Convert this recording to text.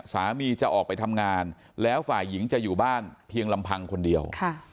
สามีจะออกไปทำงานแล้วฝ่ายหญิงจะอยู่บ้านเพียงลำพังคนเดียว